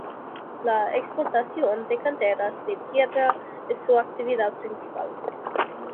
La explotación de canteras de piedra es su actividad principal.